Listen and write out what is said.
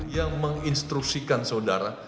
yang menginstruksikan saudara